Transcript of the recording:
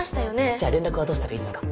じゃあ連絡はどうしたらいいですか？